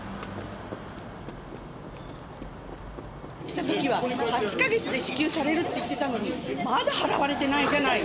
来た時は８か月で支給されるって言ってたのにまだ払われてないじゃない！